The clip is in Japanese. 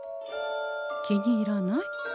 気に入らない？